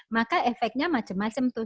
maka efeknya macam macam tuh